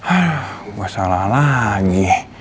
aduh gue salah lagi